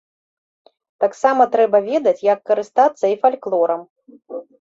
Таксама трэба ведаць, як карыстацца і фальклорам.